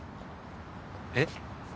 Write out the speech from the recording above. えっ？